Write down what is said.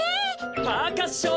パーカッション！